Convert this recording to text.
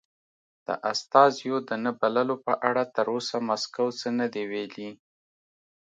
د استازیو د نه بللو په اړه تر اوسه مسکو څه نه دې ویلي.